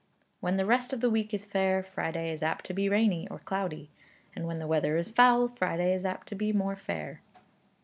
'When the rest of the week is fair, Friday is apt to be rainy, or cloudy; and when the weather is foul, Friday is apt to be more fair.'